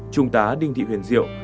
trung tá đinh thị huyền diệu